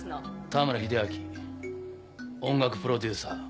田村英明音楽プロデューサー。